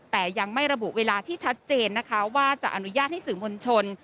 แต่ยังไม่ระบุเวลาที่ชัดเจนนะคะว่าจะอนุญาตให้สื่อมวลชน